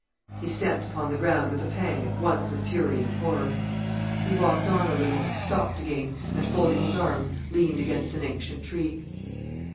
He stamped upon the ground with a pang at once of fury and horror. He walked on a little, stopped again, and folding his arms, leaned against an ancient tree.